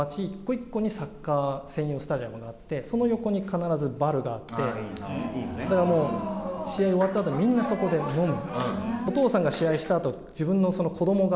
スペインって、街一個一個にサッカー専用スタジアムがあって、その横に必ずバルがあってだからもう、試合が終わった後に、みんなそこで飲む。